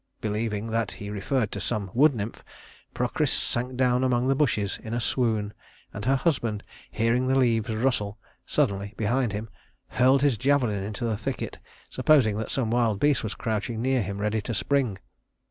Believing that he referred to some wood nymph, Procris sank down among the bushes in a swoon; and her husband, hearing the leaves rustle suddenly behind him, hurled his javelin into the thicket, supposing that some wild beast was crouching near him ready to spring.